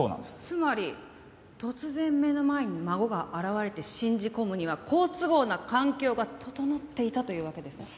つまり突然目の前に孫が現れて信じ込むには好都合な環境が整っていたというわけですね？